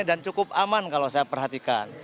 cukup aman kalau saya perhatikan